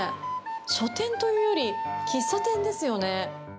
書店というより喫茶店ですよね。